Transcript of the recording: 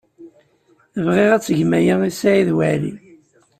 Bɣiɣ ad tgem aya i Si Ḥmed Waɛli.